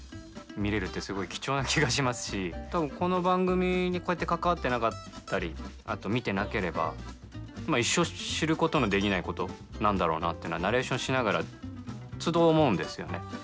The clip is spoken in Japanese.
見れるってすごい貴重な気がしますしたぶんこの番組に、こうやって関わってなかったりあと見てなければ一生知ることのできないことなんだろうなっていうのはナレーションしながらつど、思うんですよね。